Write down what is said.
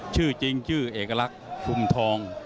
ชื่อจริงชื่อเอกลักษณ์ชุมทอง